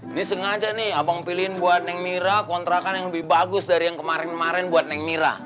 ini sengaja nih abang pilihin buat neng mira kontrakan yang lebih bagus dari yang kemarin kemarin buat neng mira